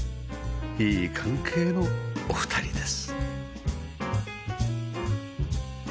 いい関係のお二人です